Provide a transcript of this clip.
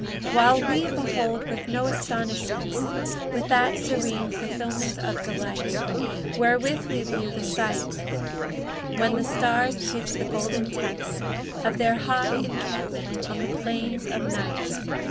While we behold with no astonishments, With that serene fulfilment of delight Wherewith we view the sight When the stars pitch the golden tents Of their high encampment on the plains of night.